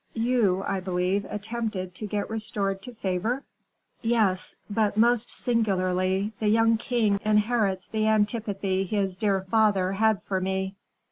"You, I believe, attempted to get restored to favor?" "Yes; but, most singularly, the young king inherits the antipathy his dear father had for me.